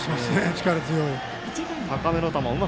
力強い。